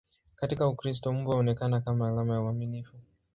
Katika Ukristo, mbwa huonekana kama alama ya uaminifu.